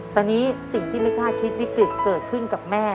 ตอนนี้สิ่งที่ไม่คาดคิดวิกฤตเกิดขึ้นกับแม่